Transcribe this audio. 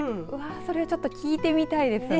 それはちょっと聞いてみたいですね。